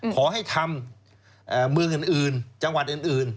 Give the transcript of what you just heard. ขอให้ทำเมืองอื่นจังหวัดอื่น